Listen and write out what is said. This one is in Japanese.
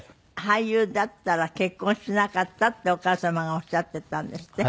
俳優だったら結婚しなかったってお母様がおっしゃっていたんですって？